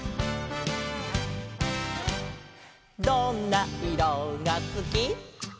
「どんないろがすき」「」